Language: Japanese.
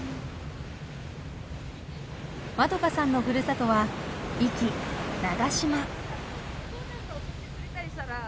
まどかさんのふるさとは壱岐・長島。